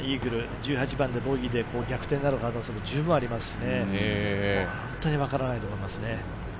１８番、ボギーで逆転なども、十分ありますので、本当に分からないと思いますね。